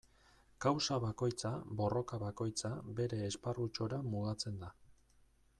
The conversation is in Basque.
Kausa bakoitza, borroka bakoitza, bere esparrutxora mugatzen da.